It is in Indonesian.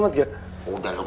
masuk kuliah dulu